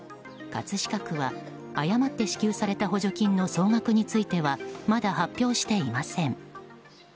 葛飾区は誤って支給された補助金の総額についてはまだ発表していません。